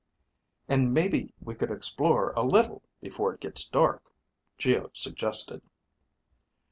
"And maybe we could explore a little, before it gets dark," Geo suggested.